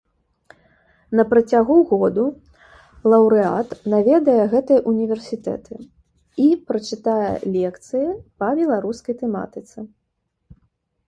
На працягу году лаўрэат наведае гэтыя ўніверсітэты і прачытае лекцыі па беларускай тэматыцы.